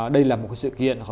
đây là một cái sự kiện